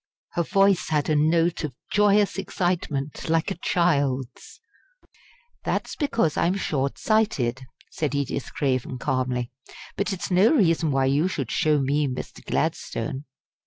Her voice had a note of joyous excitement like a child's. "That's because I'm short sighted," said Edith Craven, calmly; "but it's no reason why you should show me Mr. Gladstone."